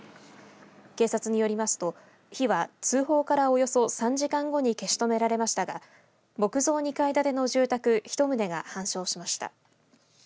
警察によりますと火は通報からおよそ３時間後に消し止められましたが木造２階建ての住宅１棟が半焼しました。